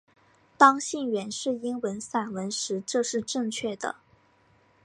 当信源是英文散文时这是正确的。